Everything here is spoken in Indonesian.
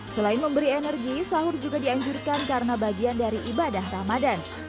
selain memberi energi sahur juga dianjurkan karena bagian dari ibadah ramadan